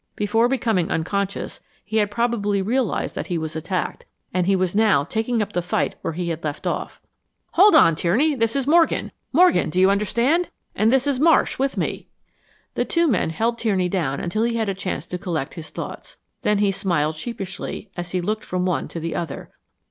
Before becoming unconscious he had probably realized that he was attacked, and he was now taking up the fight where he had left off. "Hold on, Tierney this is Morgan Morgan do you understand? And this is Marsh with me!" The two men held Tierney down until he had a chance to collect his thoughts. Then he smiled sheepishly as he looked from one to the other.